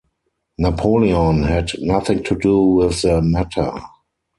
Napoleon had nothing to do with the matter.